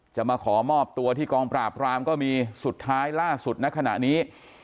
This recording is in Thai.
จะมาขอมอบตัวที่กองปราบรามก็มีสุดท้ายล่าสุดณขณะนี้